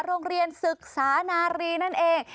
โรงเรียนศึกษานารีนั่นเอง